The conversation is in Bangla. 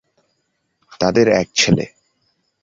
তাঁদের এক ছেলে।